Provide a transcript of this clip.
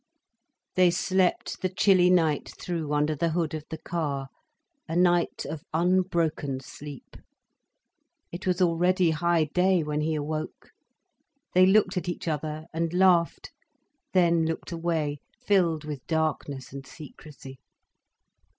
They slept the chilly night through under the hood of the car, a night of unbroken sleep. It was already high day when he awoke. They looked at each other and laughed, then looked away, filled with darkness and secrecy.